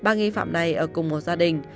ba nghi phạm này ở cùng một gia đình